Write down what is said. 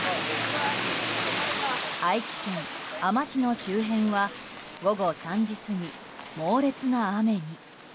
愛知県あま市の周辺は午後３時過ぎ、猛烈な雨に。